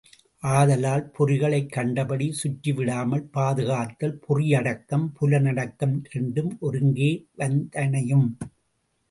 ஆதலால், பொறிகளைக் கண்டபடி சுற்றவிடாமல் பாதுகாத்தால் பொறியடக்கம் புலனடக்கம் இரண்டும் ஒருங்கே வந்தனையும்.